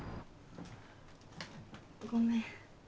ごめん。